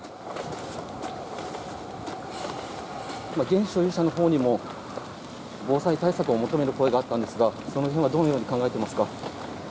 現所有者のほうにも防災対策を求める声があったのですがその辺はどのように考えていますか？